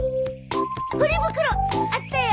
ポリ袋あったよ。